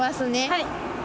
はい。